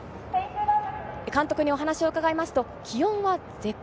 監督にお話を伺いますと、気温は絶好。